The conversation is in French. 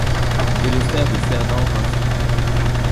Il est le frère de Fernand Rinfret.